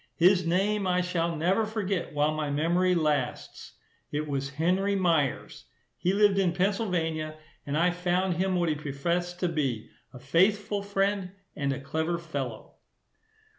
His name I shall never forget while my memory lasts; it was Henry Myers. He lived in Pennsylvania, and I found him what he professed to be, a faithful friend and a clever fellow.